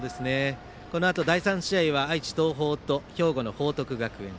このあと第３試合は愛知・東邦と兵庫の報徳学園。